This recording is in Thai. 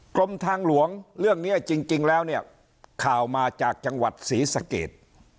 กรมทางหลวงเรื่องนี้จริงแล้วเนี่ยข่าวมาจากจังหวัดศรีสเกต